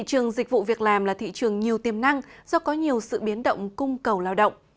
thị trường dịch vụ việc làm là thị trường nhiều tiềm năng do có nhiều sự biến động cung cầu lao động